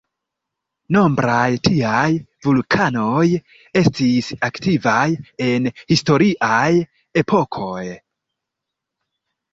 Nombraj tiaj vulkanoj estis aktivaj en historiaj epokoj.